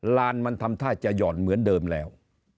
ลานมันทำท่าจะหย่อนเหมือนเดิมแล้ว